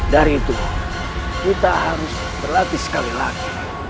dari itu kita harus berlatih sekali lagi